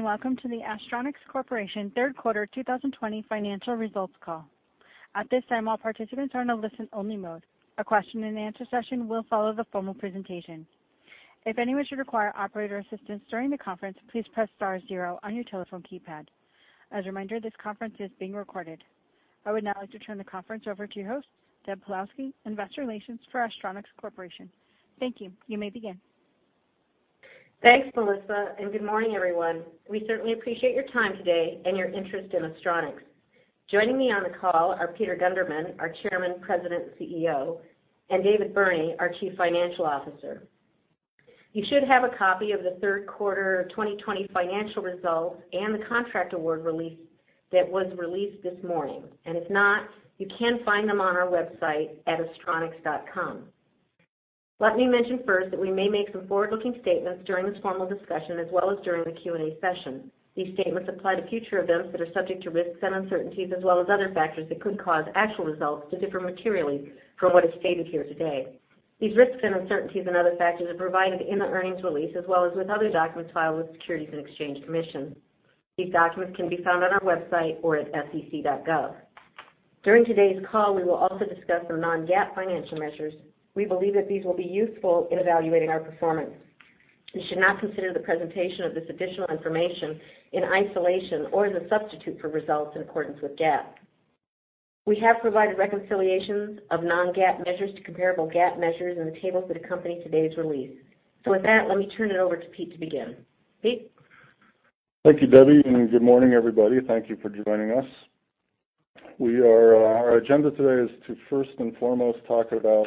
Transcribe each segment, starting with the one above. Welcome to the Astronics Corporation third quarter 2020 financial results call. At this time all participant are on only listen mode. A question-and-answer session will follow the formal presentation. If anyone should require any operator assistant during the conference please press star zero on your telephone keypad. A reminder this conference is being recorded. I would now like to turn the conference over to your host, Deborah Pawlowski, Investor Relations for Astronics Corporation. Thank you. You may begin. Thanks, Melissa. Good morning, everyone. We certainly appreciate your time today and your interest in Astronics. Joining me on the call are Peter Gundermann, our Chairman, President, and CEO, and David Burney, our Chief Financial Officer. You should have a copy of the third quarter 2020 financial results and the contract award release that was released this morning. If not, you can find them on our website at astronics.com. Let me mention first that we may make some forward-looking statements during this formal discussion as well as during the Q and A session. These statements apply to future events that are subject to risks and uncertainties as well as other factors that could cause actual results to differ materially from what is stated here today. These risks and uncertainties and other factors are provided in the earnings release as well as with other documents filed with the Securities and Exchange Commission. These documents can be found on our website or at sec.gov. During today's call, we will also discuss some non-GAAP financial measures. We believe that these will be useful in evaluating our performance. You should not consider the presentation of this additional information in isolation or as a substitute for results in accordance with GAAP. We have provided reconciliations of non-GAAP measures to comparable GAAP measures in the tables that accompany today's release. With that, let me turn it over to Peter to begin. Peter? Thank you, Deborah, and good morning, everybody. Thank you for joining us. Our agenda today is to first and foremost talk about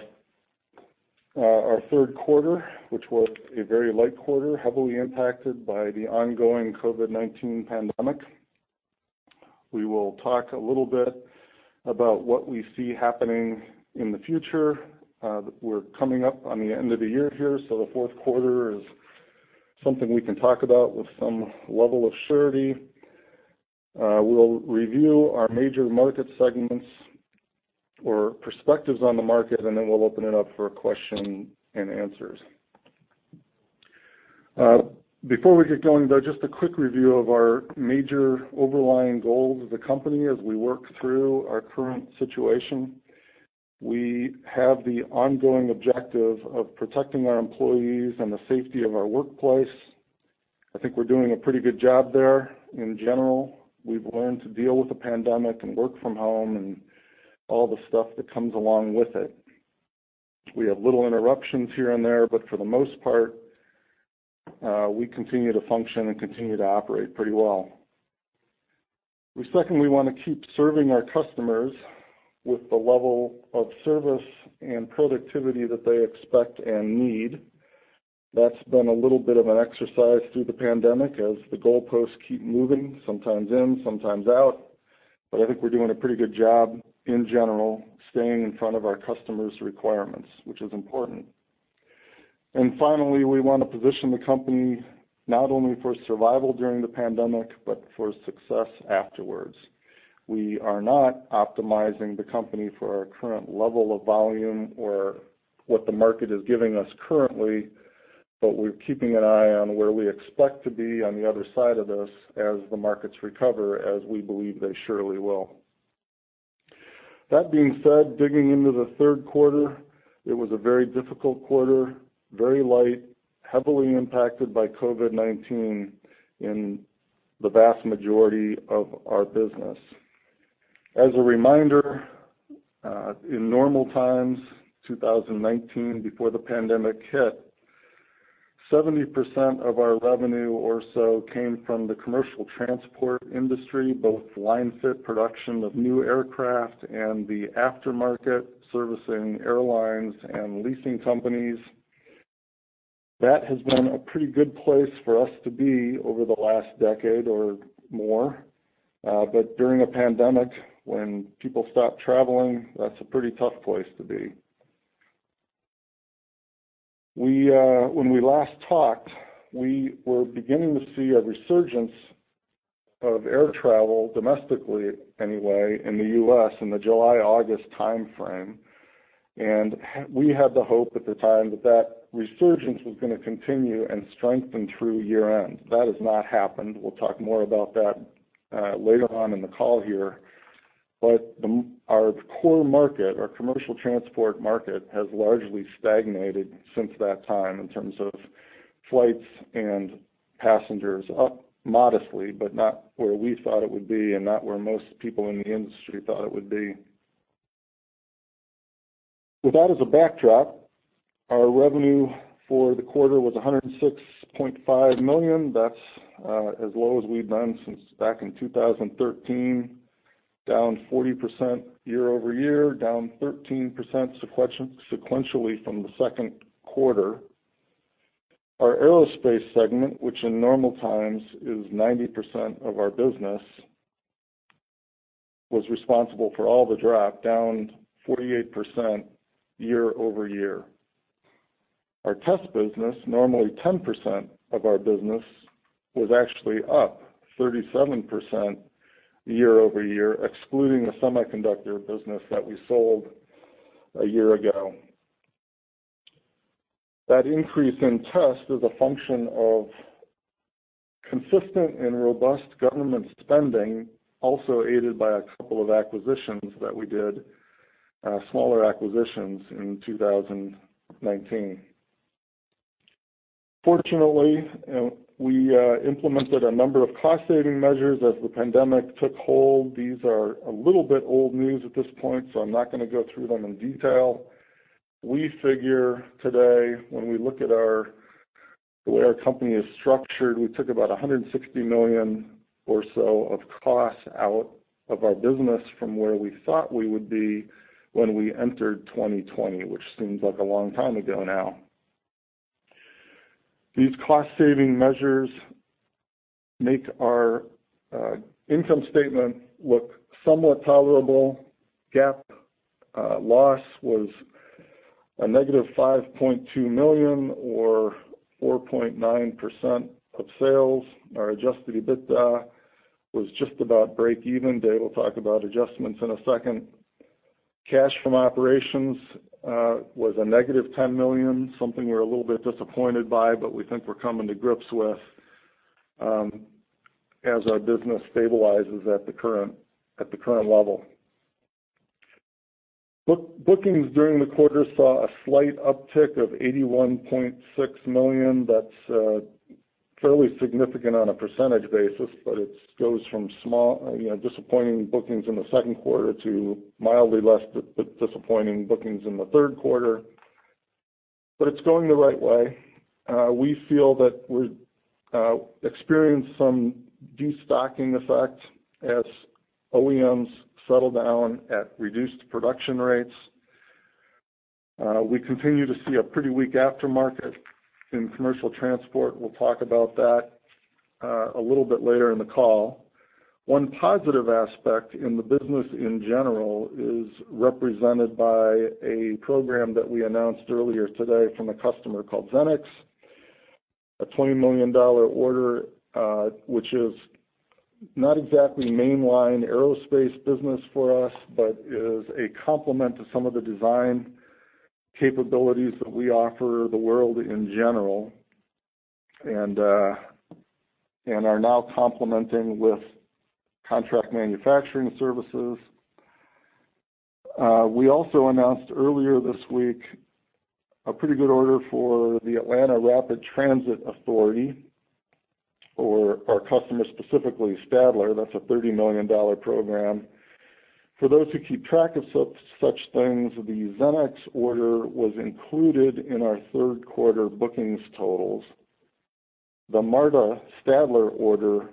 our third quarter, which was a very light quarter, heavily impacted by the ongoing COVID-19 pandemic. We will talk a little bit about what we see happening in the future. We're coming up on the end of the year here, the fourth quarter is something we can talk about with some level of surety. We will review our major segment, or perspective on a market. Then we'll open it up for question and answers. Before we get going, though, just a quick review of our major overlying goals of the company as we work through our current situation. We have the ongoing objective of protecting our employees and the safety of our workplace. I think we're doing a pretty good job there in general. We've learned to deal with the pandemic and work from home and all the stuff that comes along with it. We have little interruptions here and there, but for the most part, we continue to function and continue to operate pretty well. We secondly want to keep serving our customers with the level of service and productivity that they expect and need. That's been a little bit of an exercise through the pandemic as the goalposts keep moving, sometimes in, sometimes out. I think we're doing a pretty good job in general staying in front of our customers' requirements, which is important. Finally, we want to position the company not only for survival during the pandemic but for success afterwards. We are not optimizing the company for our current level of volume or what the market is giving us currently, but we're keeping an eye on where we expect to be on the other side of this as the markets recover, as we believe they surely will. That being said, digging into the third quarter, it was a very difficult quarter, very light, heavily impacted by COVID-19 in the vast majority of our business. As a reminder, in normal times, 2019, before the pandemic hit, 70% of our revenue or so came from the commercial transport industry, both line-fit production of new aircraft and the aftermarket servicing airlines and leasing companies. That has been a pretty good place for us to be over the last decade or more. During a pandemic, when people stop traveling, that's a pretty tough place to be. When we last talked, we were beginning to see a resurgence of air travel domestically anyway in the U.S. in the July-August timeframe, and we had the hope at the time that resurgence was going to continue and strengthen through year-end. That has not happened. We'll talk more about that later on in the call here. Our core market, our commercial transport market, has largely stagnated since that time in terms of flights and passengers up modestly, but not where we thought it would be and not where most people in the industry thought it would be. With that as a backdrop, our revenue for the quarter was $106.5 million. That's as low as we've been since back in 2013, down 40% year-over-year, down 13% sequentially from the second quarter. Our Aerospace segment, which in normal times is 90% of our business, was responsible for all the drop, down 48% year-over-year. Our Test business, normally 10% of our business, was actually up 37% year-over-year, excluding the semiconductor business that we sold a year ago. Increase in Test is a function of consistent and robust government spending, also aided by a couple of acquisitions that we did, smaller acquisitions in 2019. Fortunately, we implemented a number of cost-saving measures as the pandemic took hold. These are a little bit old news at this point, I'm not going to go through them in detail. We figure today, when we look at the way our company is structured, we took about $160 million or so of costs out of our business from where we thought we would be when we entered 2020, which seems like a long time ago now. These cost-saving measures make our income statement look somewhat tolerable. GAAP loss was a negative $5.2 million or 4.9% of sales. Our Adjusted EBITDA was just about break even. Dave will talk about adjustments in a second. Cash from operations was a negative $10 million, something we're a little bit disappointed by, but we think we're coming to grips with as our business stabilizes at the current level. Bookings during the quarter saw a slight uptick of $81.6 million. That's fairly significant on a percentage basis, but it goes from small, disappointing bookings in the second quarter to mildly less disappointing bookings in the third quarter. It's going the right way. We feel that we experienced some de-stocking effect as OEMs settle down at reduced production rates. We continue to see a pretty weak aftermarket in commercial transport. We'll talk about that a little bit later in the call. One positive aspect in the business in general is represented by a program that we announced earlier today from a customer called Xenex, a $20 million order, which is not exactly mainline aerospace business for us, but is a complement to some of the design capabilities that we offer the world in general, and are now complementing with contract manufacturing services. We also announced earlier this week a pretty good order for the Atlanta Rapid Transit Authority, or our customer specifically, Stadler. That's a $30 million program. For those who keep track of such things, the Xenex order was included in our third quarter bookings totals. The MARTA Stadler order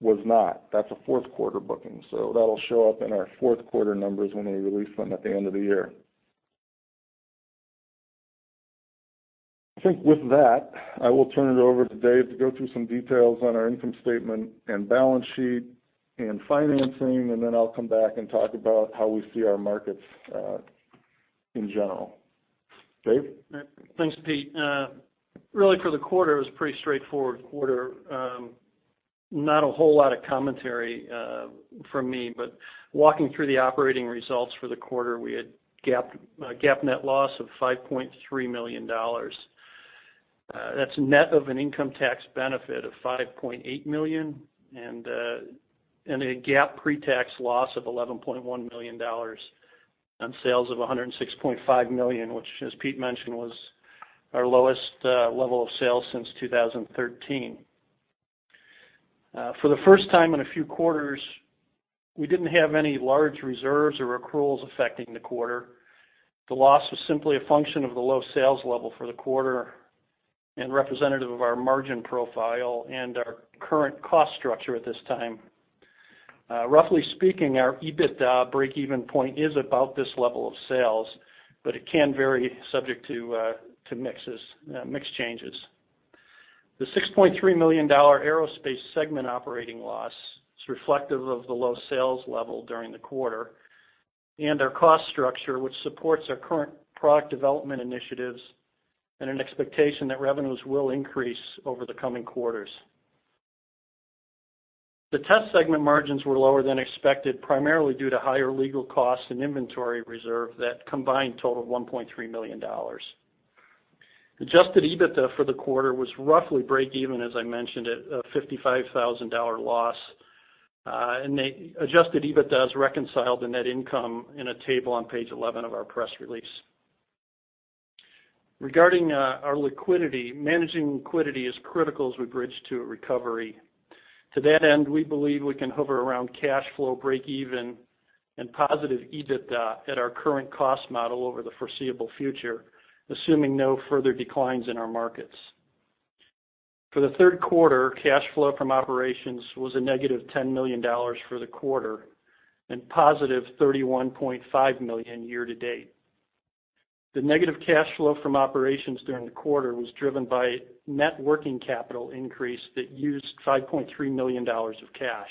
was not. That's a fourth quarter booking. That'll show up in our fourth quarter numbers when we release them at the end of the year. I think with that, I will turn it over to Dave to go through some details on our income statement and balance sheet and financing. I'll come back and talk about how we see our markets in general. Dave? Thanks, Pete. For the quarter, it was a pretty straightforward quarter. Not a whole lot of commentary from me, walking through the operating results for the quarter, we had GAAP net loss of $5.3 million. That's net of an income tax benefit of $5.8 million and a GAAP pre-tax loss of $11.1 million on sales of $106.5 million, which, as Pete mentioned, was our lowest level of sales since 2013. For the first time in a few quarters, we didn't have any large reserves or accruals affecting the quarter. The loss was simply a function of the low sales level for the quarter and representative of our margin profile and our current cost structure at this time. Roughly speaking, our EBITDA break-even point is about this level of sales, it can vary subject to mix changes. The $6.3 million aerospace segment operating loss is reflective of the low sales level during the quarter and our cost structure, which supports our current product development initiatives and an expectation that revenues will increase over the coming quarters. The Test segment margins were lower than expected, primarily due to higher legal costs and inventory reserve that combined total $1.3 million. Adjusted EBITDA for the quarter was roughly break even, as I mentioned, at a $55,000 loss. Adjusted EBITDA is reconciled in net income in a table on page 11 of our press release. Regarding our liquidity, managing liquidity is critical as we bridge to a recovery. To that end, we believe we can hover around cash flow break even and positive EBITDA at our current cost model over the foreseeable future, assuming no further declines in our markets. For the third quarter, cash flow from operations was a negative $10 million for the quarter and positive $31.5 million year to date. The negative cash flow from operations during the quarter was driven by net working capital increase that used $5.3 million of cash.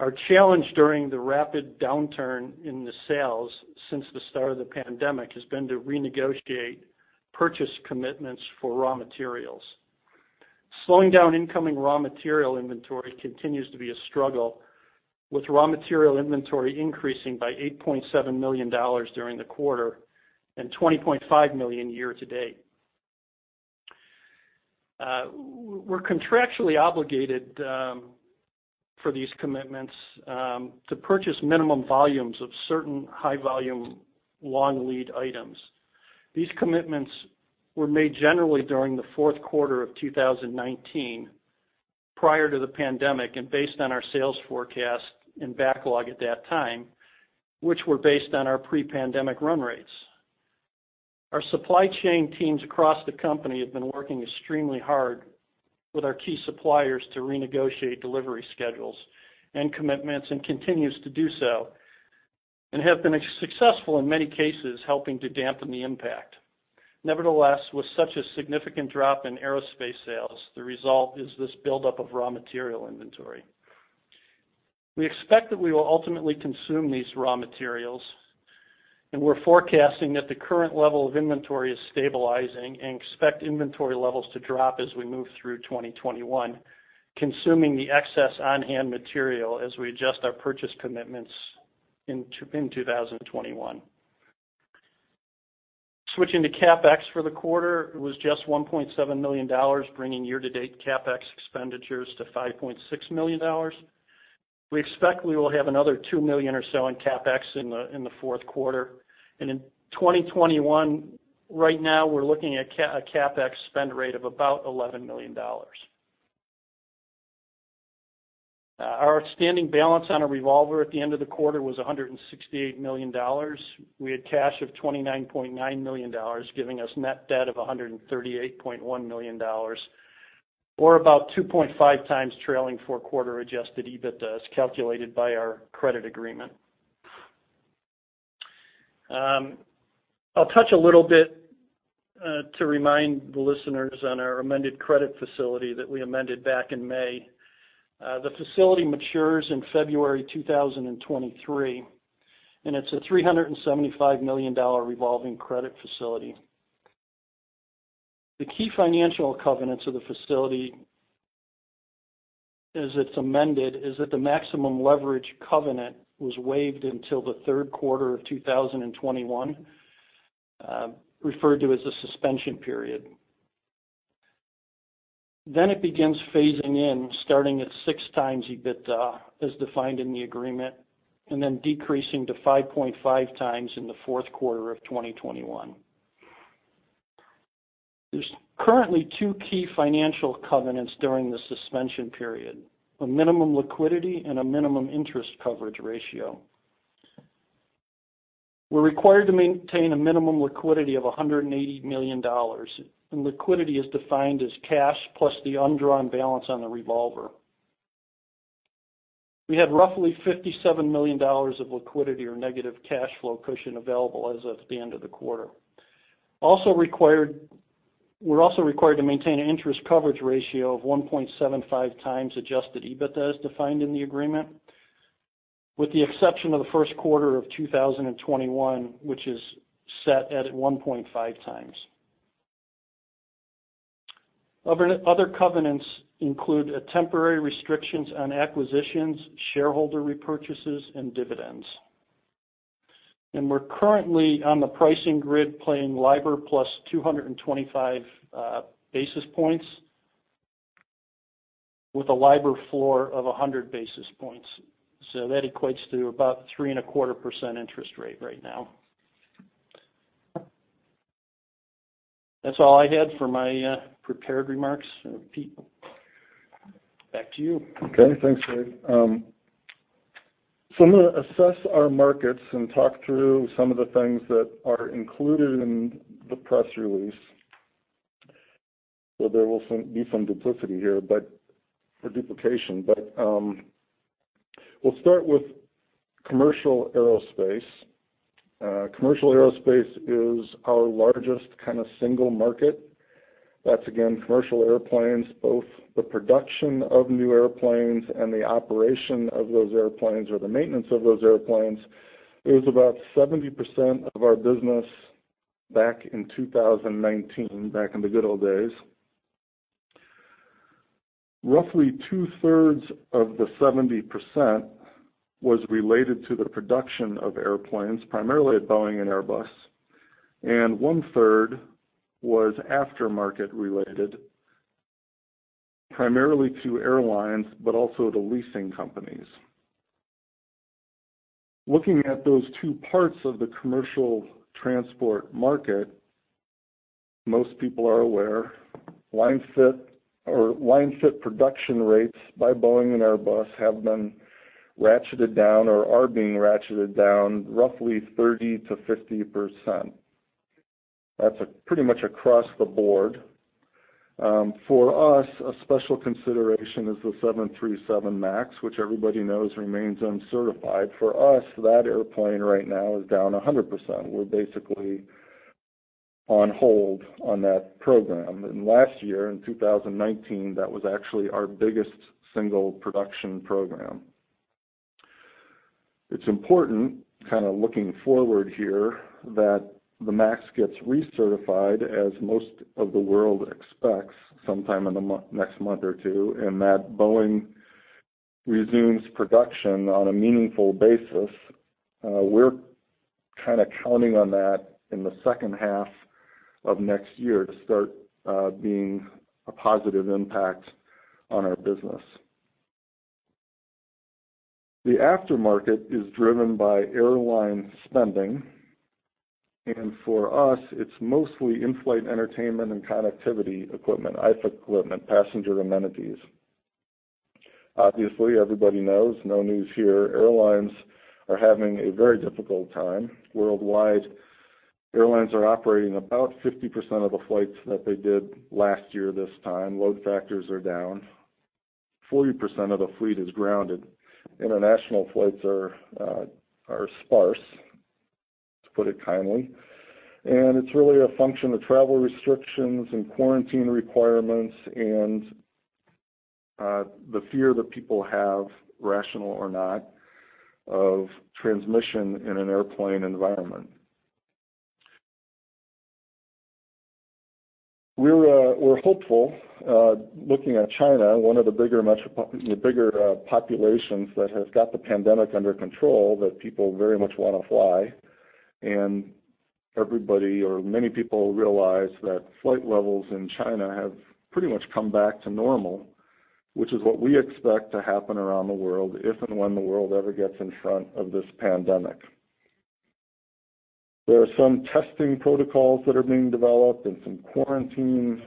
Our challenge during the rapid downturn in the sales since the start of the pandemic has been to renegotiate purchase commitments for raw materials. Slowing down incoming raw material inventory continues to be a struggle, with raw material inventory increasing by $8.7 million during the quarter, and $20.5 million year to date. We're contractually obligated for these commitments to purchase minimum volumes of certain high-volume, long lead items. These commitments were made generally during the fourth quarter of 2019, prior to the pandemic, and based on our sales forecast and backlog at that time, which were based on our pre-pandemic run rates. Our supply chain teams across the company have been working extremely hard with our key suppliers to renegotiate delivery schedules and commitments, and continues to do so, and have been successful in many cases helping to dampen the impact. Nevertheless, with such a significant drop in aerospace sales, the result is this buildup of raw material inventory. We expect that we will ultimately consume these raw materials, and we're forecasting that the current level of inventory is stabilizing and expect inventory levels to drop as we move through 2021, consuming the excess on-hand material as we adjust our purchase commitments in 2021. Switching to CapEx for the quarter, it was just $1.7 million, bringing year-to-date CapEx expenditures to $5.6 million. We expect we will have another $2 million or so in CapEx in the fourth quarter. In 2021, right now we're looking at a CapEx spend rate of about $11 million. Our standing balance on a revolver at the end of the quarter was $168 million. We had cash of $29.9 million, giving us net debt of $138.1 million, or about 2.5x trailing four quarter Adjusted EBITDA as calculated by our credit agreement. I'll touch a little bit to remind the listeners on our amended credit facility that we amended back in May. The facility matures in February 2023, and it's a $375 million revolving credit facility. The key financial covenants of the facility, as it's amended, is that the maximum leverage covenant was waived until the third quarter of 2021, referred to as a suspension period. It begins phasing in, starting at 6x EBITDA as defined in the agreement, and then decreasing to 5.5x in the fourth quarter of 2021. There's currently two key financial covenants during the suspension period, a minimum liquidity and a minimum interest coverage ratio. We're required to maintain a minimum liquidity of $180 million. Liquidity is defined as cash plus the undrawn balance on the revolver. We had roughly $57 million of liquidity or negative cash flow cushion available as of the end of the quarter. We're also required to maintain an interest coverage ratio of 1.75 times Adjusted EBITDA as defined in the agreement, with the exception of the first quarter of 2021, which is set at 1.5 times. Other covenants include temporary restrictions on acquisitions, shareholder repurchases, and dividends. We're currently on the pricing grid playing LIBOR plus 225 basis points with a LIBOR floor of 100 basis points. That equates to about 3.25% interest rate right now. That's all I had for my prepared remarks. Pete, back to you. Okay. Thanks, Dave. I'm going to assess our markets and talk through some of the things that are included in the press release. There will be some duplicity here, but for duplication. We'll start with Commercial Aerospace. Commercial Aerospace is our largest kind of single market. That's, again, commercial airplanes, both the production of new airplanes and the operation of those airplanes or the maintenance of those airplanes. It was about 70% of our business back in 2019, back in the good old days. Roughly two-thirds of the 70% was related to the production of airplanes, primarily at Boeing and Airbus, and one-third was aftermarket related, primarily to airlines, but also the leasing companies. Looking at those two parts of the commercial transport market, most people are aware line-fit production rates by Boeing and Airbus have been ratcheted down or are being ratcheted down roughly 30% to 50%. That's pretty much across the board. For us, a special consideration is the 737 MAX, which everybody knows remains uncertified. For us, that airplane right now is down 100%. We're basically on hold on that program. Last year, in 2019, that was actually our biggest single production program. It's important, looking forward here, that the MAX gets recertified as most of the world expects sometime in the next month or two, and that Boeing resumes production on a meaningful basis. We're counting on that in the second half of next year to start being a positive impact on our business. The aftermarket is driven by airline spending, and for us, it's mostly in-flight entertainment and connectivity equipment, IFEC equipment, passenger amenities. Obviously, everybody knows, no news here, airlines are having a very difficult time. Worldwide, airlines are operating about 50% of the flights that they did last year, this time. Load factors are down. 40% of the fleet is grounded. International flights are sparse, to put it kindly. It's really a function of travel restrictions and quarantine requirements and the fear that people have, rational or not, of transmission in an airplane environment. We're hopeful, looking at China, one of the bigger populations that has got the pandemic under control, that people very much want to fly, and everybody, or many people, realize that flight levels in China have pretty much come back to normal, which is what we expect to happen around the world if and when the world ever gets in front of this pandemic. There are some testing protocols that are being developed and some quarantine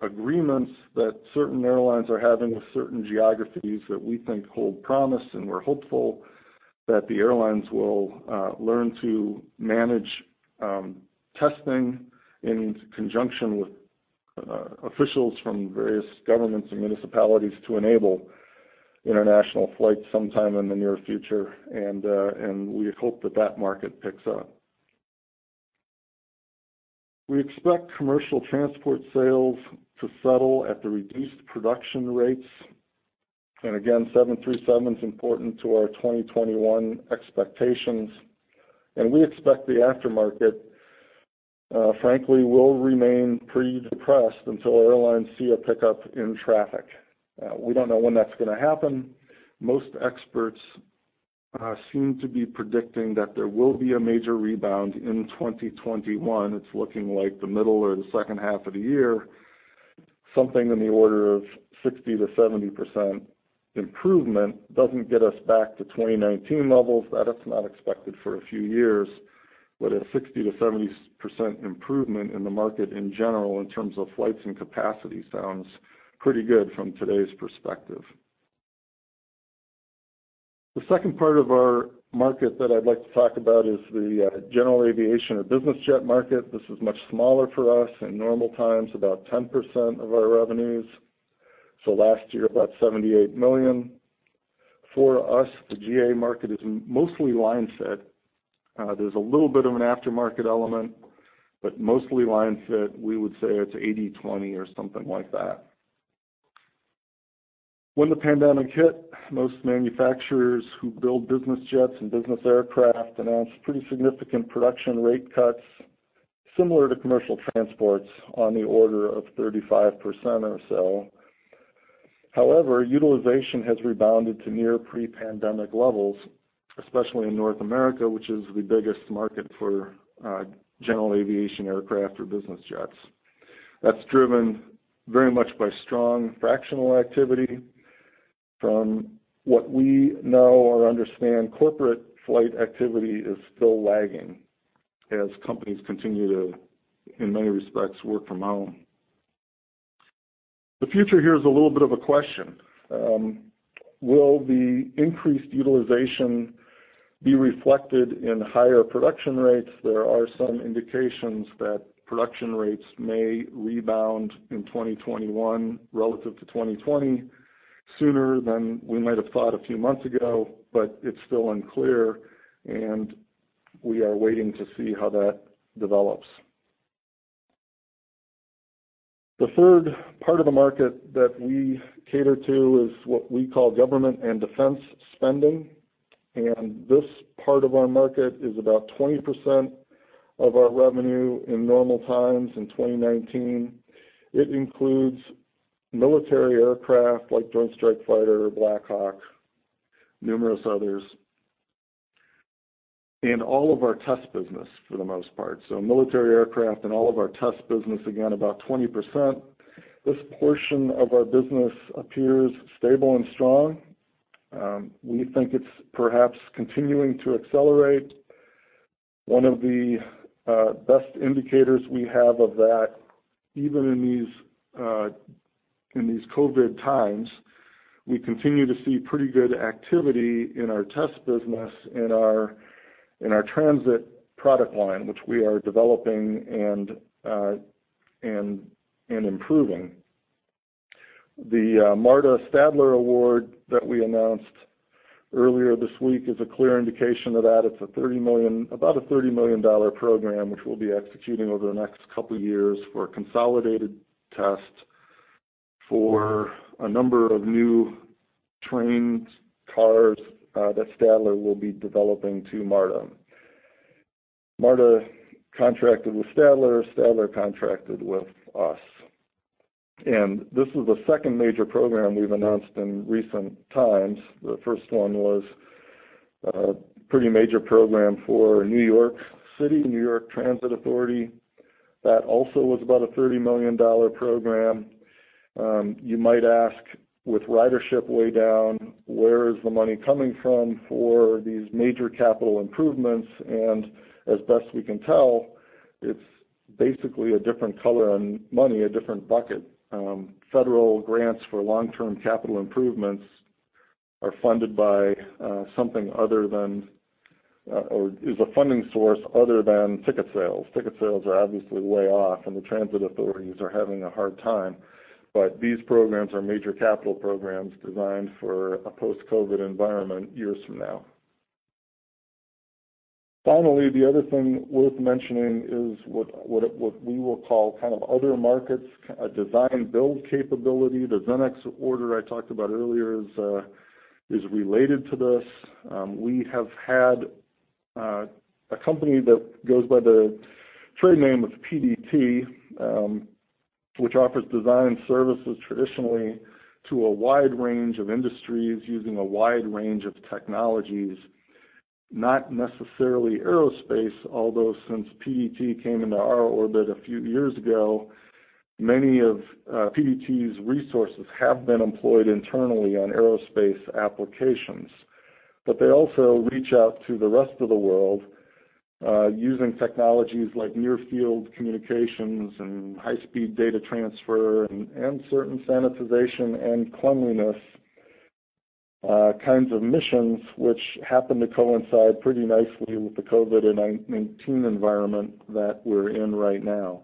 agreements that certain airlines are having with certain geographies that we think hold promise, and we're hopeful that the airlines will learn to manage testing in conjunction with officials from various governments and municipalities to enable international flights sometime in the near future. We hope that that market picks up. We expect commercial transport sales to settle at the reduced production rates. Again, 737's important to our 2021 expectations. We expect the aftermarket, frankly, will remain pretty depressed until airlines see a pickup in traffic. We don't know when that's going to happen. Most experts seem to be predicting that there will be a major rebound in 2021. It's looking like the middle or the second half of the year. Something in the order of 60%-70% improvement doesn't get us back to 2019 levels. That is not expected for a few years. A 60%-70% improvement in the market in general in terms of flights and capacity sounds pretty good from today's perspective. The second part of our market that I'd like to talk about is the general aviation or business jet market. This is much smaller for us. In normal times, about 10% of our revenues. Last year, about $78 million. For us, the GA market is mostly line fit. There's a little bit of an aftermarket element, but mostly line fit. We would say it's 80/20 or something like that. When the pandemic hit, most manufacturers who build business jets and business aircraft announced pretty significant production rate cuts similar to commercial transports on the order of 35% or so. Utilization has rebounded to near pre-pandemic levels, especially in North America, which is the biggest market for general aviation aircraft or business jets. That's driven very much by strong fractional activity. From what we know or understand, corporate flight activity is still lagging as companies continue to, in many respects, work from home. The future here is a little bit of a question. Will the increased utilization be reflected in higher production rates? There are some indications that production rates may rebound in 2021 relative to 2020, sooner than we might have thought a few months ago, but it's still unclear, and we are waiting to see how that develops. The third part of the market that we cater to is what we call government and defense spending. This part of our market is about 20% of our revenue in normal times, in 2019. It includes military aircraft like Joint Strike Fighter, Black Hawk, numerous others, and all of our test business, for the most part. Military aircraft and all of our test business, again, about 20%. This portion of our business appears stable and strong. We think it's perhaps continuing to accelerate. One of the best indicators we have of that, even in these COVID times, we continue to see pretty good activity in our test business in our transit product line, which we are developing and improving. The MARTA Stadler award that we announced earlier this week is a clear indication of that. It's about a $30 million program, which we'll be executing over the next couple of years for consolidated test for a number of new trains, cars, that Stadler will be developing to MARTA. MARTA contracted with Stadler contracted with us. This is the second major program we've announced in recent times. The first one was a pretty major program for New York City Transit Authority. That also was about a $30 million program. You might ask, with ridership way down, where is the money coming from for these major capital improvements? As best we can tell, it's basically a different color on money, a different bucket. Federal grants for long-term capital improvements are funded by something other than, or is a funding source other than ticket sales. Ticket sales are obviously way off, and the transit authorities are having a hard time. These programs are major capital programs designed for a post-COVID-19 environment years from now. The other thing worth mentioning is what we will call kind of other markets, a design build capability. The Xenex order I talked about earlier is related to this. We have had a company that goes by the trade name of PDT, which offers design services traditionally to a wide range of industries using a wide range of technologies. Not necessarily aerospace, although since PDT came into our orbit a few years ago, many of PDT's resources have been employed internally on aerospace applications. They also reach out to the rest of the world, using technologies like near-field communication and high-speed data transfer, and certain sanitization and cleanliness kinds of missions, which happen to coincide pretty nicely with the COVID-19 environment that we're in right now.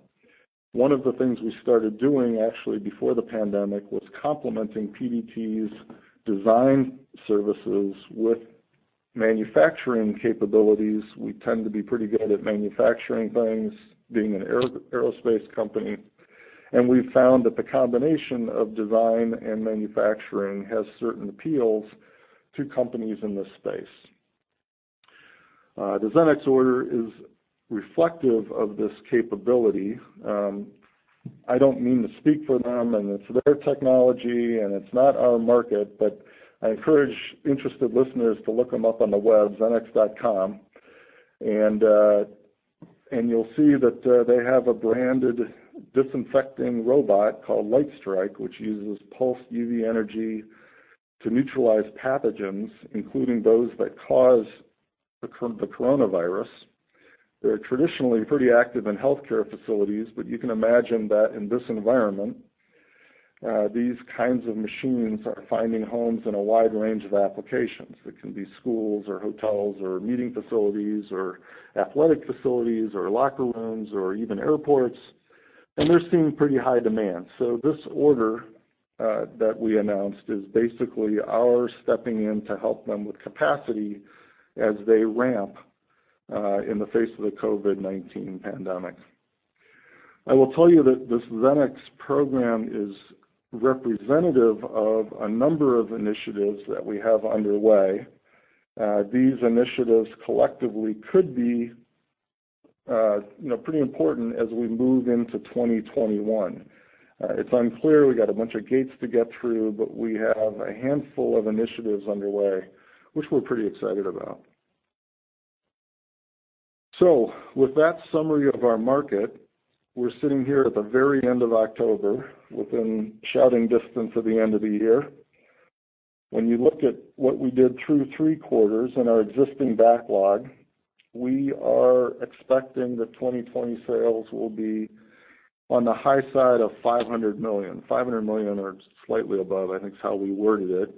One of the things we started doing, actually before the pandemic, was complementing PDT's design services with manufacturing capabilities. We tend to be pretty good at manufacturing things, being an aerospace company, and we've found that the combination of design and manufacturing has certain appeals to companies in this space. The Xenex order is reflective of this capability. I don't mean to speak for them, and it's their technology, and it's not our market, but I encourage interested listeners to look them up on the web, xenex.com. You'll see that they have a branded disinfecting robot called LightStrike, which uses pulsed UV energy to neutralize pathogens, including those that cause the coronavirus. They're traditionally pretty active in healthcare facilities, but you can imagine that in this environment, these kinds of machines are finding homes in a wide range of applications. It can be schools or hotels or meeting facilities or athletic facilities or locker rooms or even airports. They're seeing pretty high demand. This order that we announced is basically our stepping in to help them with capacity as they ramp in the face of the COVID-19 pandemic. I will tell you that this Xenex program is representative of a number of initiatives that we have underway. These initiatives collectively could be pretty important as we move into 2021. It's unclear. We got a bunch of gates to get through, but we have a handful of initiatives underway, which we're pretty excited about. With that summary of our market, we're sitting here at the very end of October, within shouting distance of the end of the year. When you look at what we did through three quarters and our existing backlog, we are expecting that 2020 sales will be on the high side of $500 million. $500 million or slightly above, I think, is how we worded it.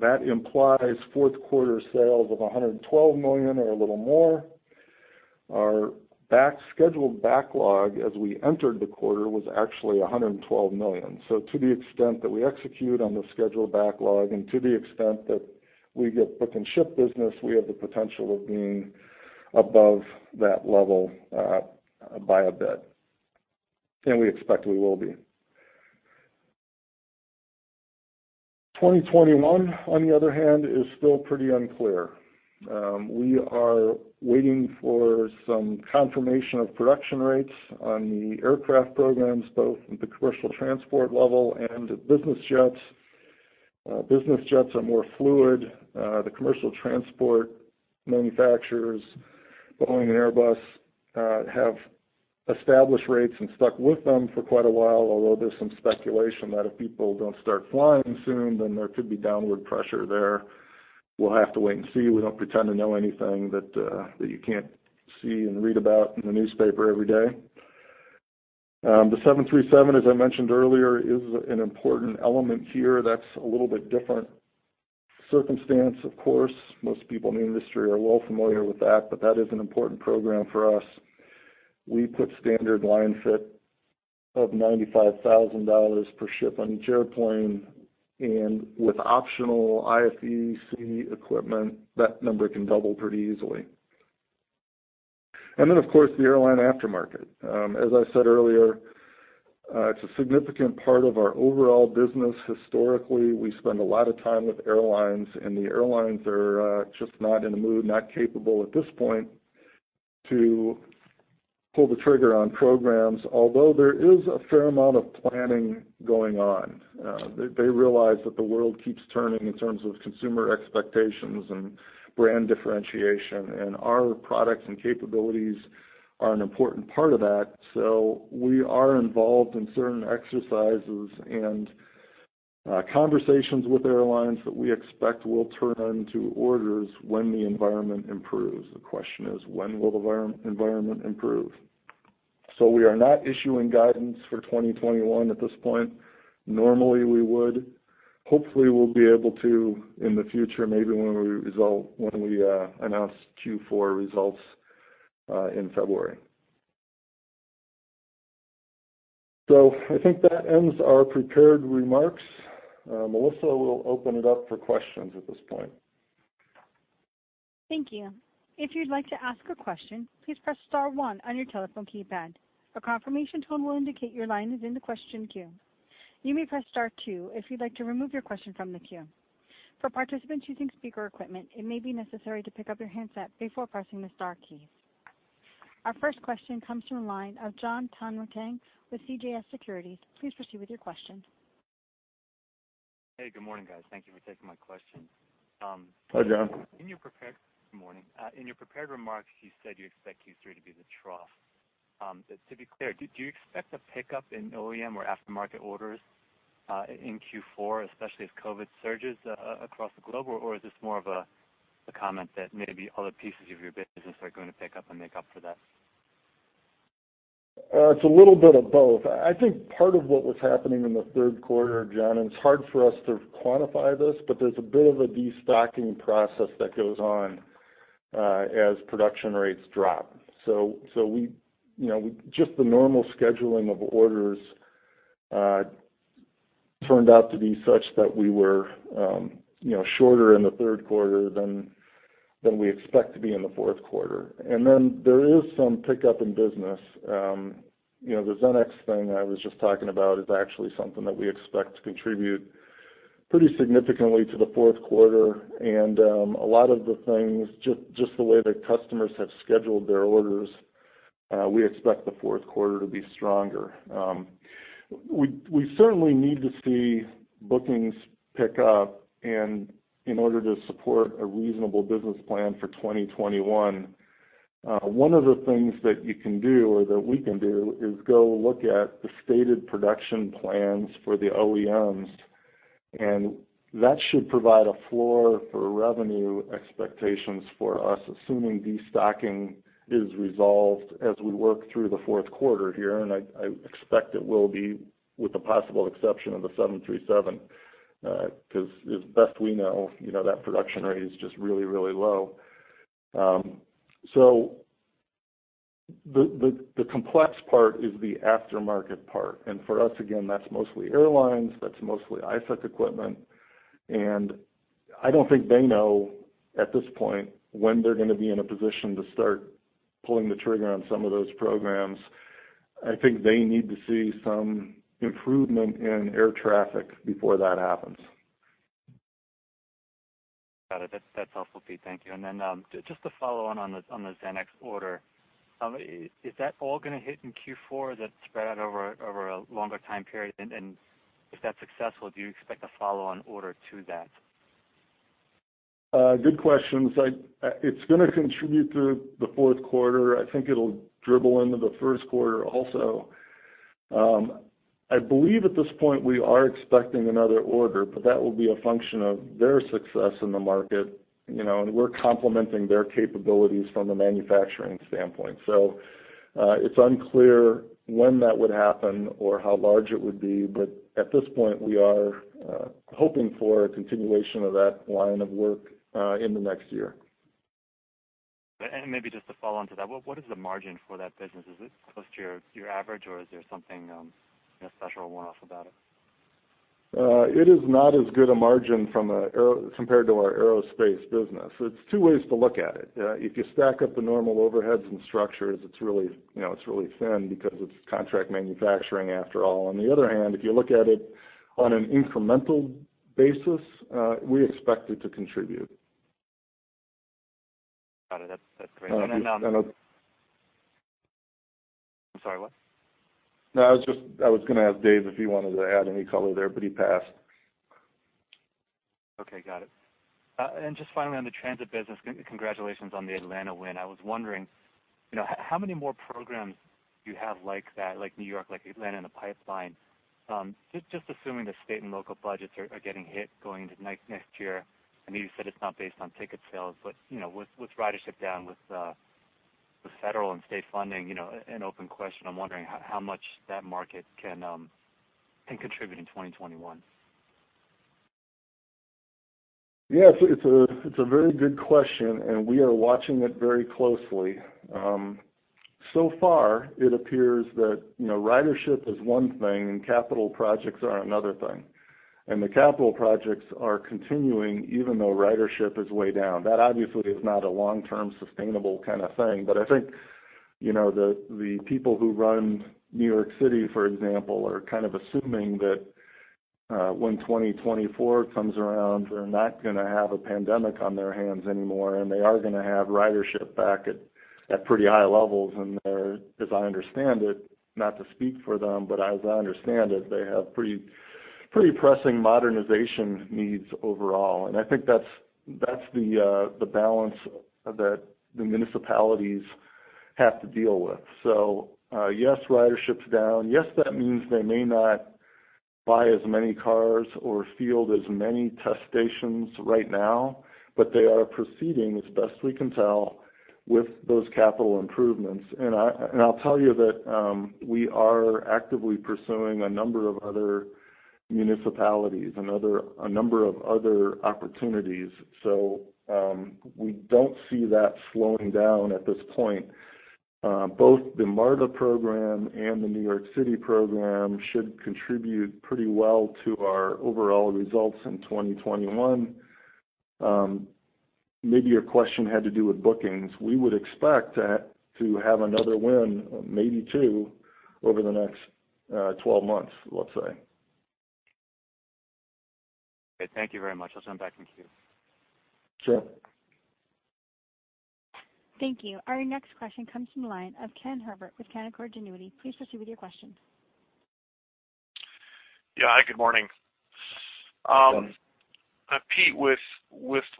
That implies fourth quarter sales of $112 million or a little more. Our scheduled backlog as we entered the quarter was actually $112 million. To the extent that we execute on the scheduled backlog, and to the extent that we get book and ship business, we have the potential of being above that level by a bit, and we expect we will be. 2021, on the other hand, is still pretty unclear. We are waiting for some confirmation of production rates on the aircraft programs, both at the commercial transport level and at business jets. Business jets are more fluid. The commercial transport manufacturers, Boeing and Airbus, have established rates and stuck with them for quite a while, although there's some speculation that if people don't start flying soon, then there could be downward pressure there. We'll have to wait and see. We don't pretend to know anything that you can't see and read about in the newspaper every day. The 737, as I mentioned earlier, is an important element here. That's a little bit different circumstance, of course. Most people in the industry are well familiar with that. That is an important program for us. We put standard line fit of $95,000 per ship on each airplane. With optional IFEC equipment, that number can double pretty easily. Then, of course, the airline aftermarket. As I said earlier, it's a significant part of our overall business. Historically, we spend a lot of time with airlines. The airlines are just not in the mood, not capable at this point to pull the trigger on programs, although there is a fair amount of planning going on. They realize that the world keeps turning in terms of consumer expectations and brand differentiation. Our products and capabilities are an important part of that. We are involved in certain exercises and conversations with airlines that we expect will turn into orders when the environment improves. The question is, when will the environment improve? We are not issuing guidance for 2021 at this point. Normally, we would. Hopefully, we'll be able to in the future, maybe when we announce Q4 results in February. I think that ends our prepared remarks. Melissa will open it up for questions at this point. Thank you. If you'd like to ask a question, please press star one on your telephone keypad. A confirmation tone will indicate your line is the question queue. You may press star two if you'd like to remove your question from the queue. For participants using speaker equipment, it may be necessary to pick up your handset before pressing the star keys. Our first question comes from the line of Jon Tanwanteng with CJS Securities. Please proceed with your question. Hey, good morning, guys. Thank you for taking my question. Hi, Jon. Good morning. In your prepared remarks, you said you expect Q3 to be the trough. To be clear, do you expect a pickup in OEM or aftermarket orders in Q4, especially as COVID surges across the globe? Is this more of a comment that maybe other pieces of your business are going to pick up and make up for that? It's a little bit of both. I think part of what was happening in the third quarter, Jon, and it's hard for us to quantify this, but there's a bit of a destocking process that goes on as production rates drop. Just the normal scheduling of orders turned out to be such that we were shorter in the third quarter than we expect to be in the fourth quarter. There is some pickup in business. The Xenex thing I was just talking about is actually something that we expect to contribute pretty significantly to the fourth quarter. A lot of the things, just the way that customers have scheduled their orders, we expect the fourth quarter to be stronger. We certainly need to see bookings pick up and in order to support a reasonable business plan for 2021. One of the things that you can do, or that we can do, is go look at the stated production plans for the OEMs, that should provide a floor for revenue expectations for us, assuming destocking is resolved as we work through the fourth quarter here. I expect it will be with the possible exception of the 737, because as best we know, that production rate is just really low. The complex part is the aftermarket part. For us, again, that's mostly airlines, that's mostly IFEC equipment. I don't think they know at this point when they're going to be in a position to start pulling the trigger on some of those programs. I think they need to see some improvement in air traffic before that happens. Got it. That's helpful, Pete. Thank you. Just to follow on the Xenex order. Is that all going to hit in Q4, that spread out over a longer time period? If that's successful, do you expect a follow-on order to that? Good questions. It's going to contribute to the fourth quarter. I think it'll dribble into the first quarter also. I believe at this point we are expecting another order. That will be a function of their success in the market, and we're complementing their capabilities from a manufacturing standpoint. It's unclear when that would happen or how large it would be. At this point, we are hoping for a continuation of that line of work in the next year. Maybe just to follow on to that, what is the margin for that business? Is it close to your average or is there something special or one-off about it? It is not as good a margin compared to our Aerospace business. It is two ways to look at it. If you stack up the normal overheads and structures, it is really thin because it is contract manufacturing after all. On the other hand, if you look at it on an incremental basis, we expect it to contribute. Got it. That's great. And I'll-- I'm sorry, what? No, I was going to ask Dave if he wanted to add any color there, but he passed. Okay, got it. Just finally on the transit business, congratulations on the Atlanta win. I was wondering how many more programs do you have like that, like New York, like Atlanta in the pipeline? Just assuming the state and local budgets are getting hit going into next year. I know you said it's not based on ticket sales, but with ridership down with the federal and state funding, an open question, I'm wondering how much that market can contribute in 2021. Yes, it's a very good question. We are watching it very closely. So far, it appears that ridership is one thing and capital projects are another thing. The capital projects are continuing, even though ridership is way down. That obviously is not a long-term sustainable kind of thing. I think, the people who run New York City, for example, are kind of assuming that when 2024 comes around, they're not going to have a pandemic on their hands anymore, and they are going to have ridership back at pretty high levels. As I understand it, not to speak for them, but as I understand it, they have pretty pressing modernization needs overall. I think that's the balance that the municipalities have to deal with. Yes, ridership's down. Yes, that means they may not buy as many cars or field as many test stations right now, but they are proceeding as best we can tell with those capital improvements. I'll tell you that we are actively pursuing a number of other municipalities, a number of other opportunities. We don't see that slowing down at this point. Both the MARTA program and the New York City program should contribute pretty well to our overall results in 2021. Maybe your question had to do with bookings. We would expect that to have another win, maybe two, over the next 12 months, let's say. Okay. Thank you very much. I'll send it back to queue. Sure. Thank you. Our next question comes from the line of Ken Herbert with Canaccord Genuity. Please proceed with your question. Yeah. Hi, good morning. Good morning. Pete, with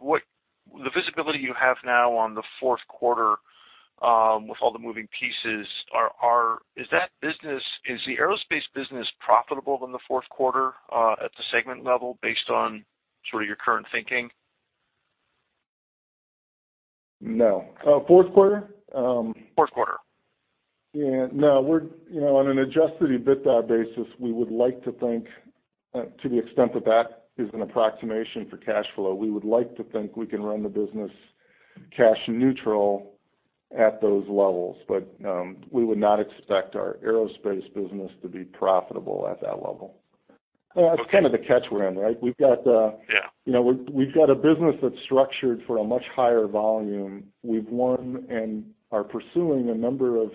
the visibility you have now on the fourth quarter, with all the moving pieces, is the aerospace business profitable in the fourth quarter at the segment level based on sort of your current thinking? No. Fourth quarter? Fourth quarter. Yeah. No. On an Adjusted EBITDA basis, to the extent that that is an approximation for cash flow, we would like to think we can run the business cash neutral at those levels. We would not expect our aerospace business to be profitable at that level. Okay. That's kind of the catch we're in, right? Yeah. We've got a business that's structured for a much higher volume. We've won and are pursuing a number of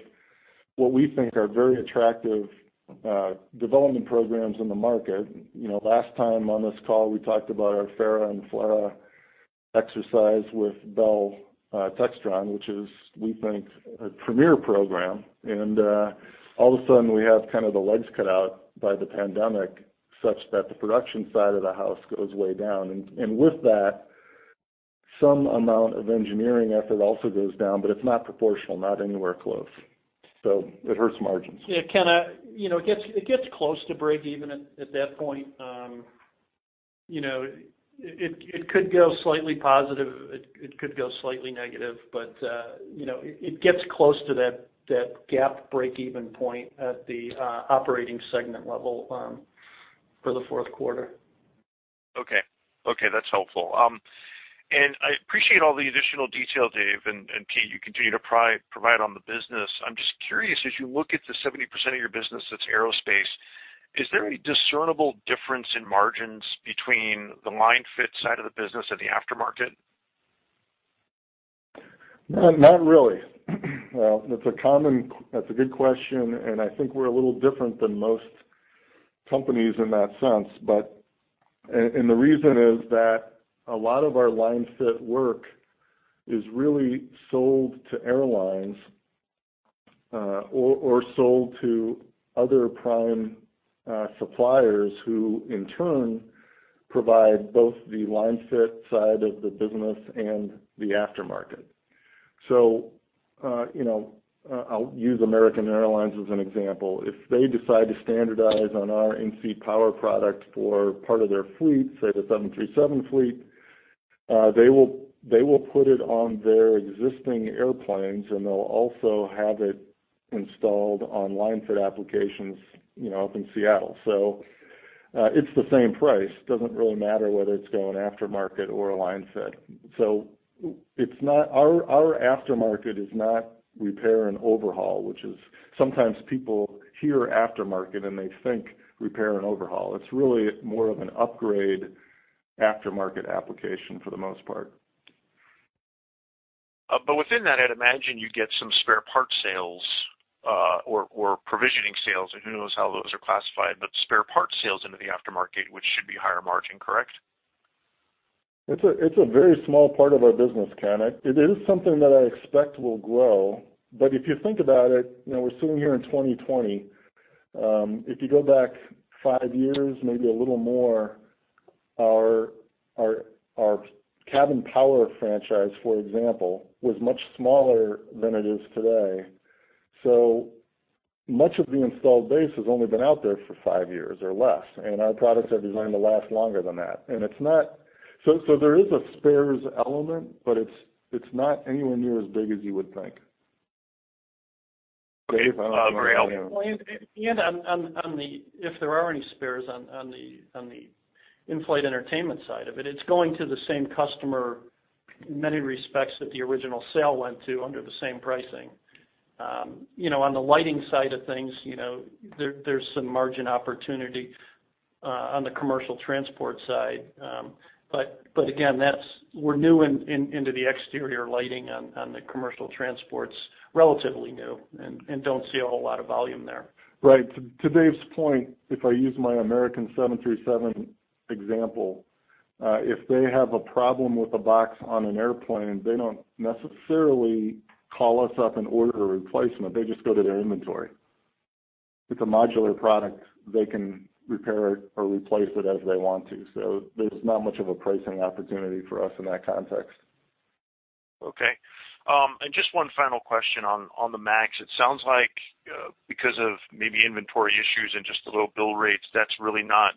what we think are very attractive development programs in the market. Last time on this call, we talked about our FARA and FLRAA exercise with Bell Textron, which is, we think, a premier program. All of a sudden, we have kind of the legs cut out by the pandemic, such that the production side of the house goes way down. With that, some amount of engineering effort also goes down, but it's not proportional, not anywhere close. It hurts margins. Yeah, Ken, it gets close to breakeven at that point. It could go slightly positive, it could go slightly negative, but it gets close to that GAAP breakeven point at the operating segment level for the fourth quarter. Okay. That's helpful. I appreciate all the additional detail, Dave and Pete, you continue to provide on the business. I'm just curious, as you look at the 70% of your business that's aerospace, is there any discernible difference in margins between the line-fit side of the business and the aftermarket? Not really. That's a good question. I think we're a little different than most companies in that sense. The reason is that a lot of our line-fit work is really sold to airlines or sold to other prime suppliers who in turn provide both the line-fit side of the business and the aftermarket. I'll use American Airlines as an example. If they decide to standardize on our in-seat power product for part of their fleet, say, the 737 fleet, they will put it on their existing airplanes, and they'll also have it installed on line-fit applications up in Seattle. It's the same price. Doesn't really matter whether it's going aftermarket or a line fit. Our aftermarket is not repair and overhaul. Sometimes people hear aftermarket, and they think repair and overhaul. It's really more of an upgrade aftermarket application for the most part. Within that, I'd imagine you get some spare parts sales or provisioning sales. Who knows how those are classified, but spare parts sales into the aftermarket, which should be higher margin, correct? It's a very small part of our business, Ken. It is something that I expect will grow. If you think about it, we're sitting here in 2020. If you go back five years, maybe a little more, our cabin power franchise, for example, was much smaller than it is today. Much of the installed base has only been out there for five years or less, and our products are designed to last longer than that. There is a spares element, but it's not anywhere near as big as you would think. Dave, I don't know if you want to add. Very helpful. Well, if there are any spares on the in-flight entertainment side of it. It's going to the same customer in many respects that the original sale went to under the same pricing. On the lighting side of things, there's some margin opportunity on the commercial transport side. Again, we're new into the exterior lighting on the commercial transports, relatively new, and don't see a whole lot of volume there. Right. To Dave's point, if I use my American 737 example, if they have a problem with a box on an airplane, they don't necessarily call us up and order a replacement. They just go to their inventory. It's a modular product. They can repair it or replace it as they want to. There's not much of a pricing opportunity for us in that context. Okay. Just one final question on the MAX. It sounds like because of maybe inventory issues and just the low bill rates, that's really not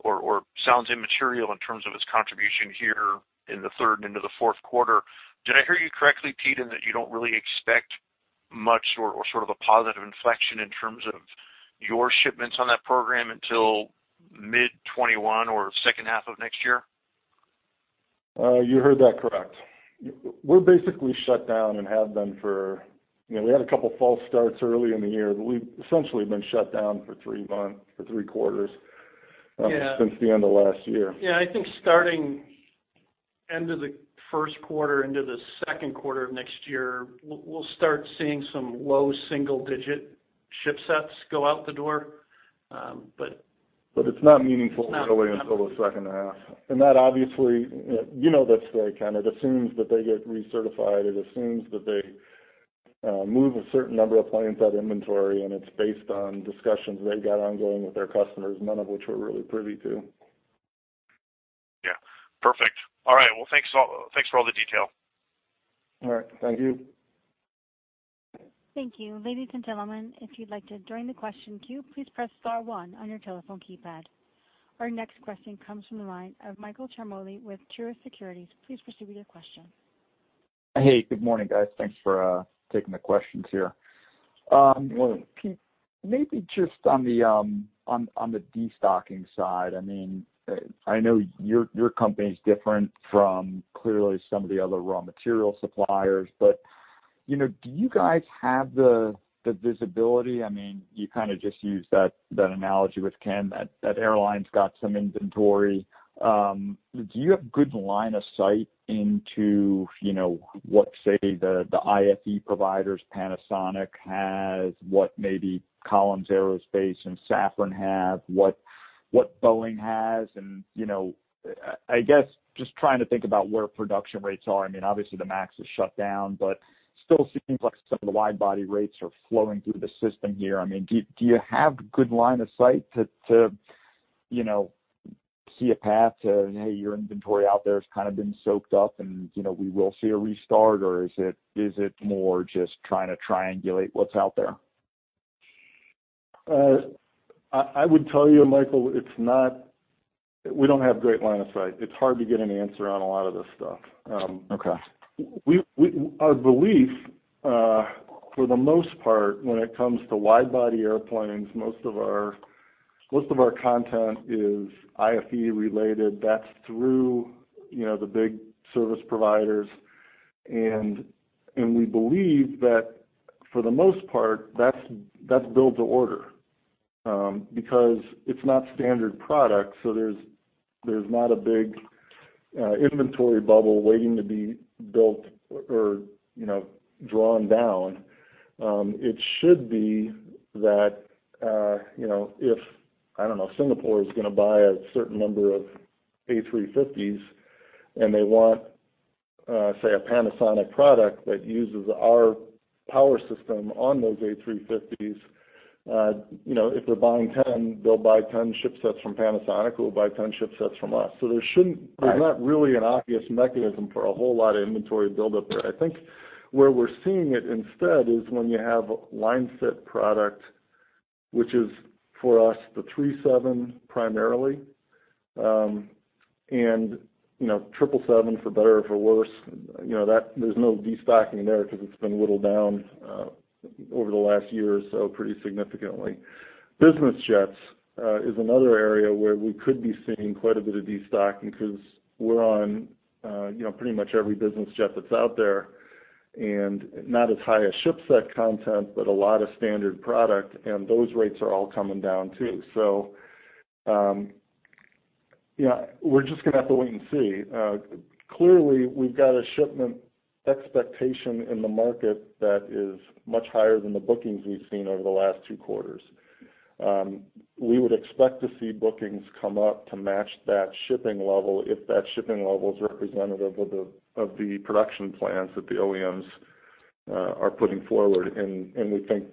or sounds immaterial in terms of its contribution here in the third and into the fourth quarter. Did I hear you correctly, Pete, in that you don't really expect much or sort of a positive inflection in terms of your shipments on that program until mid 2021 or second half of next year? You heard that correct. We're basically shut down. We had a couple false starts early in the year, but we've essentially been shut down for three quarters. Yeah Since the end of last year. Yeah, I think starting end of the first quarter into the second quarter of next year, we'll start seeing some low single digit shipsets go out the door. It's not meaningful really until the second half. That obviously, you know this, Ken, it assumes that they get recertified. It assumes that they move a certain number of planes out of inventory, and it's based on discussions they've got ongoing with their customers, none of which we're really privy to. Yeah. Perfect. All right. Well, thanks for all the detail. All right. Thank you. Thank you. Ladies and gentlemen, if you'd like to join the question queue, please press star one on your telephone keypad. Our next question comes from the line of Michael Ciarmoli with Truist Securities. Please proceed with your question. Hey, good morning, guys. Thanks for taking the questions here. Pete, maybe just on the destocking side. I know your company's different from clearly some of the other raw material suppliers, do you guys have the visibility? You kind of just used that analogy with Ken, that airline's got some inventory. Do you have good line of sight into what, say, the IFE providers Panasonic has, what maybe Collins Aerospace and Safran have, what Boeing has? I guess just trying to think about where production rates are. Obviously, the MAX is shut down, still seems like some of the widebody rates are flowing through the system here. Do you have good line of sight to see a path to, hey, your inventory out there has kind of been soaked up, and we will see a restart, or is it more just trying to triangulate what's out there? I would tell you, Michael, we don't have great line of sight. It's hard to get an answer on a lot of this stuff. Okay. Our belief, for the most part, when it comes to wide body airplanes, most of our content is IFE related. That's through the big service providers. We believe that, for the most part, that's build to order. It's not standard product, so there's not a big inventory bubble waiting to be built or drawn down. It should be that if, I don't know, Singapore is going to buy a certain number of A350s and they want, say, a Panasonic product that uses our power system on those A350s. If they're buying 10, they'll buy 10 shipset from Panasonic, who will buy 10 shipset from us. There's not really an obvious mechanism for a whole lot of inventory buildup there. I think where we're seeing it instead is when you have line fit product, which is for us, the 737 primarily, and 777 for better or for worse. There's no destocking there because it's been whittled down over the last year or so pretty significantly. Business jets is another area where we could be seeing quite a bit of destocking because we're on pretty much every business jet that's out there. Not as high a shipset content, but a lot of standard product, and those rates are all coming down too. We're just going to have to wait and see. Clearly, we've got a shipment expectation in the market that is much higher than the bookings we've seen over the last two quarters. We would expect to see bookings come up to match that shipping level if that shipping level is representative of the production plans that the OEMs are putting forward, and we think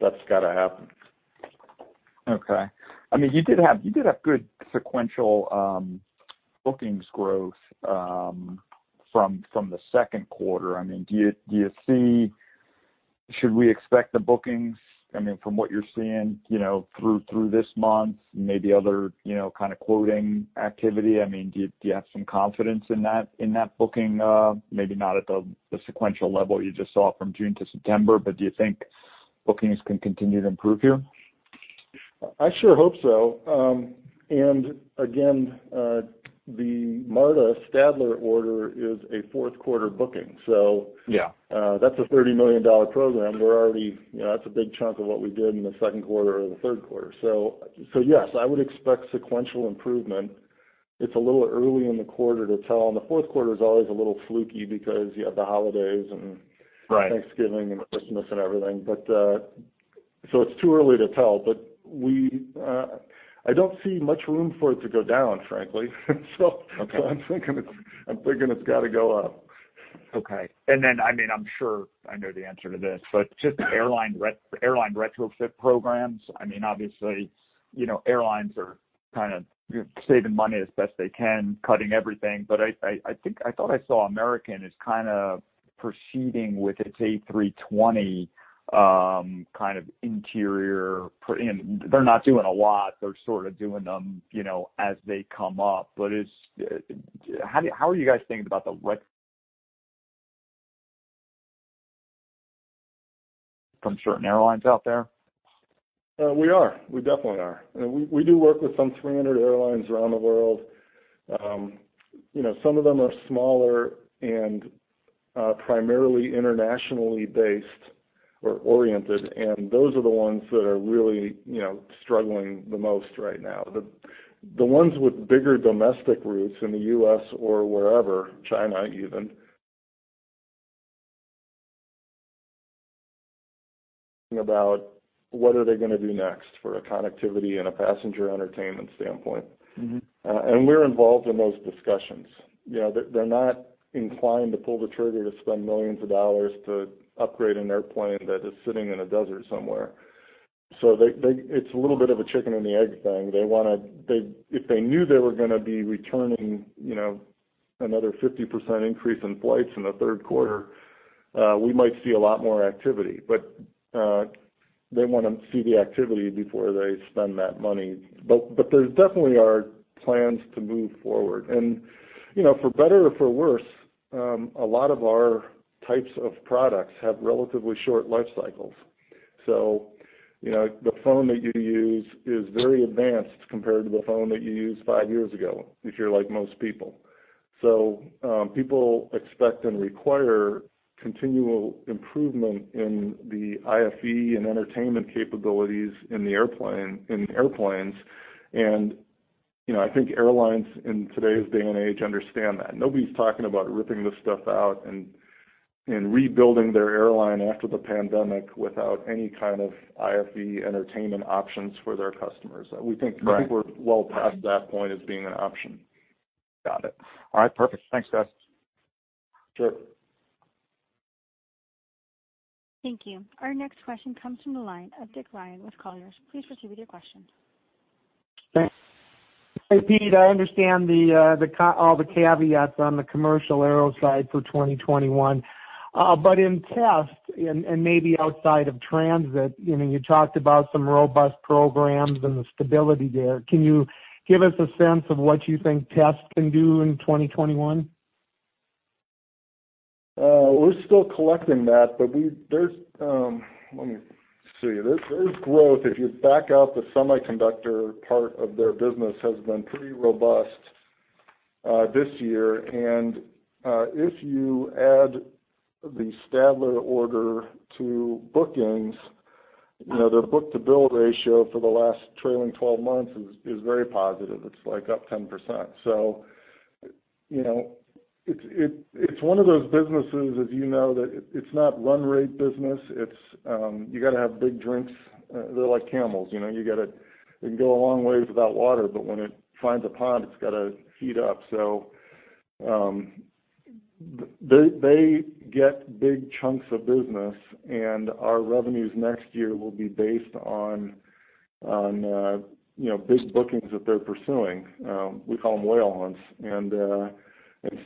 that's got to happen. Okay. You did have good sequential bookings growth from the second quarter. Should we expect the bookings, from what you're seeing, through this month, maybe other kind of quoting activity? Do you have some confidence in that booking, maybe not at the sequential level you just saw from June to September, but do you think bookings can continue to improve here? I sure hope so. Again, the MARTA Stadler order is a fourth quarter booking. Yeah. That's a $30 million program. That's a big chunk of what we did in the second quarter or the third quarter. Yes, I would expect sequential improvement. It's a little early in the quarter to tell, and the fourth quarter's always a little fluky because you have the holidays. Right Thanksgiving and Christmas and everything. It's too early to tell, but I don't see much room for it to go down, frankly. Okay. I'm thinking it's got to go up. Okay. I'm sure I know the answer to this, just airline retrofit programs. Obviously, airlines are kind of saving money as best they can, cutting everything. I thought I saw American is kind of proceeding with its A320 kind of interior. They're not doing a lot, they're sort of doing them as they come up. How are you guys thinking about the re- from certain airlines out there? We are. We definitely are. We do work with some 300 airlines around the world. Some of them are smaller and primarily internationally-based or oriented, and those are the ones that are really struggling the most right now. The ones with bigger domestic routes in the U.S. or wherever, China even, thinking about what are they going to do next for a connectivity and a passenger entertainment standpoint. We're involved in those discussions. They're not inclined to pull the trigger to spend millions of dollars to upgrade an airplane that is sitting in a desert somewhere. It's a little bit of a chicken and the egg thing. If they knew they were going to be returning another 50% increase in flights in the third quarter, we might see a lot more activity. They want to see the activity before they spend that money. There definitely are plans to move forward. For better or for worse, a lot of our types of products have relatively short life cycles. The phone that you use is very advanced compared to the phone that you used five years ago, if you're like most people. People expect and require continual improvement in the IFE and entertainment capabilities in airplanes. I think airlines in today's day and age understand that. Nobody's talking about ripping this stuff out and rebuilding their airline after the pandemic without any kind of IFE entertainment options for their customers. Right. We think we're well past that point as being an option. Got it. All right, perfect. Thanks, guys. Sure. Thank you. Our next question comes from the line of Dick Ryan with Colliers. Please proceed with your question. Thanks. Hey, Pete, I understand all the caveats on the commercial aero side for 2021. In test, and maybe outside of transit, you talked about some robust programs and the stability there. Can you give us a sense of what you think test can do in 2021? We're still collecting that. Let me see. There's growth. If you back out the semiconductor part of their business, has been pretty robust this year. If you add the Stadler order to bookings, their book-to-bill ratio for the last trailing 12 months is very positive. It's like up 10%. It's one of those businesses, as you know, that it's not run rate business. You got to have big drinks. They're like camels. It can go a long ways without water, but when it finds a pond, it's got to feed up. They get big chunks of business, and our revenues next year will be based on big bookings that they're pursuing. We call them whale hunts.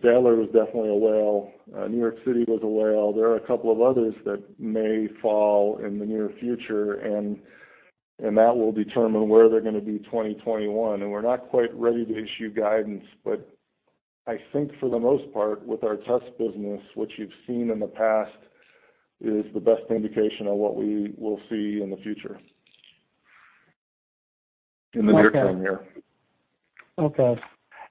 Stadler was definitely a whale. New York City was a whale. There are a couple of others that may fall in the near future, that will determine where they're going to be 2021. We're not quite ready to issue guidance, but I think for the most part with our test business, what you've seen in the past is the best indication of what we will see in the future. Okay. In the near term year. Okay.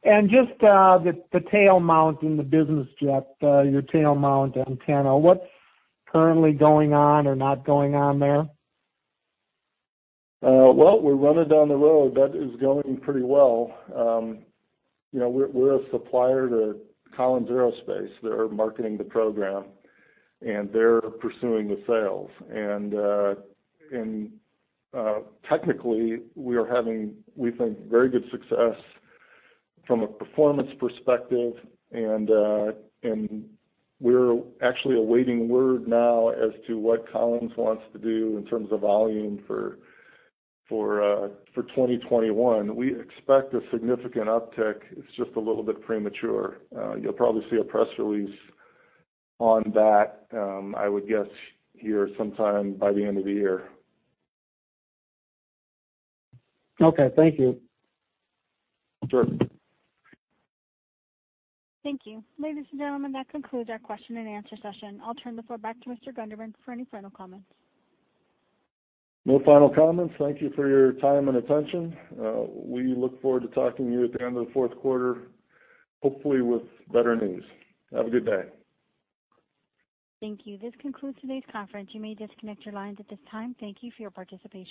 Just the tail mount in the business jet, your tail mount antenna, what's currently going on or not going on there? We're running down the road. That is going pretty well. We're a supplier to Collins Aerospace. They're marketing the program, and they're pursuing the sales. Technically, we are having, we think, very good success from a performance perspective, and we're actually awaiting word now as to what Collins wants to do in terms of volume for 2021. We expect a significant uptick. It's just a little bit premature. You'll probably see a press release on that, I would guess here sometime by the end of the year. Okay. Thank you. Sure. Thank you. Ladies and gentlemen, that concludes our question-and-answer session. I'll turn the floor back to Mr. Gundermann for any final comments. No final comments. Thank you for your time and attention. We look forward to talking to you at the end of the fourth quarter, hopefully with better news. Have a good day. Thank you. This concludes today's conference. You may disconnect your lines at this time. Thank you for your participation.